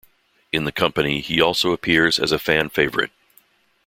In the company, he also appears as a fan favorite.